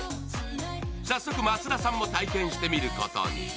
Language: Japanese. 早速、松田さんも体験してみることに。